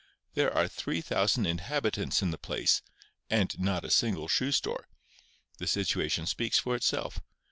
There are 3,000 inhabitants in the place, and not a single shoe store! The situation speaks for itself.